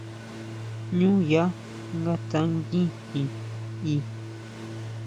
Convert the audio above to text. Jñú yá nga tsanguijin i.